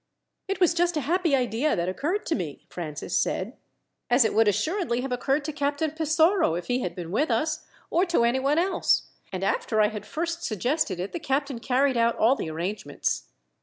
"It was just a happy idea that occurred to me," Francis said, "as it would assuredly have occurred to Captain Pesoro, if he had been with us, or to anyone else, and after I had first suggested it the captain carried out all the arrangements."